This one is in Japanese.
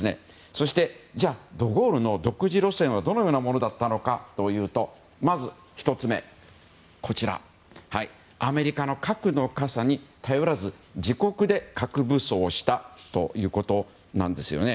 そして、ド・ゴールの独自路線はどのようなものだったかというとまず１つ目アメリカの核の傘に頼らず自国で核武装したということなんですね。